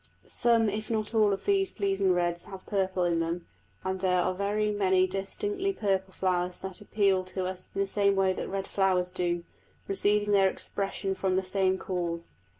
Some if not all of these pleasing reds have purple in them, and there are very many distinctly purple flowers that appeal to us in the same way that red flowers do, receiving their expression from the same cause.